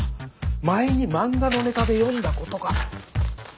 前にマンガのネタで読んだことが。